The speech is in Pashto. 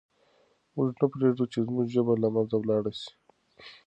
موږ نه پرېږدو چې زموږ ژبه له منځه ولاړه سي.